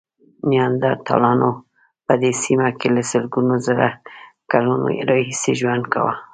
نیاندرتالانو په دې سیمه کې له سلګونو زره کلونو راهیسې ژوند کاوه.